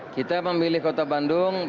kita memilih kota bandung